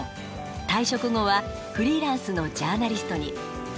退職後はフリーランスのジャーナリストに。